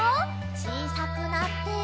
ちいさくなって。